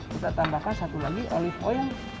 kita tambahkan satu lagi olive oil